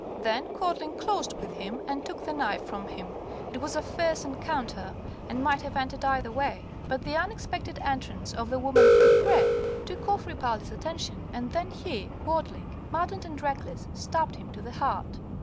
Then Quadling closed with him and took the knife from him. It was a fierce encounter, and might have ended either way, but the unexpected entrance of the woman Petitpré took off Ripaldi's attention, and then he, Quadling, maddened and reckless, stabbed him to the heart.